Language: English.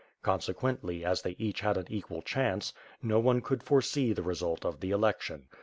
Consequently, as they each had an equal chance, no one could foresee the result of the election.